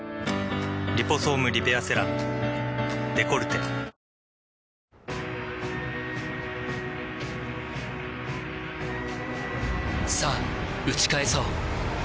「リポソームリペアセラムデコルテ」さぁ打ち返そう